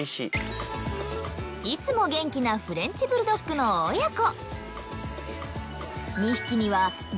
いつも元気なフレンチ・ブルドッグの親子。